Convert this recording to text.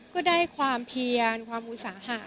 ก็ได้ความเพียรความอุตสาหะ